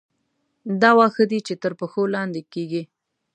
دا واښه دي چې تر پښو لاندې کېږي.